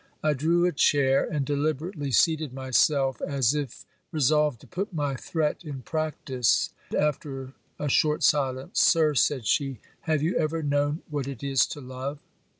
I drew a chair, and deliberately seated myself, as if resolved to put my threat in practice. After a short silence, 'Sir,' said she, 'have you ever known what it is to love?'